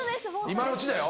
今のうちだよ。